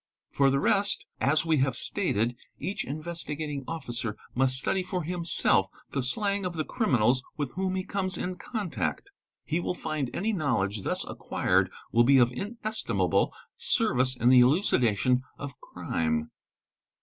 For the rest, as we have stated, each Investigating ET RA) ae TS Ned ha et ee )fficer must study for himself the slang of the criminals with whom he Comes in contact. He will find any knowledge thus acquired will be of ines imable service in the elucidation of crime.